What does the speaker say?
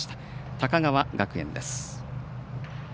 高川学園です。